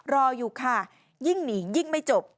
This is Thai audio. รออยู่ค่ะยิ่งหนียิ่งไม่จบ